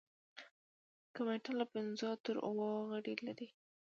کمیټه له پنځو تر اوو غړي لري.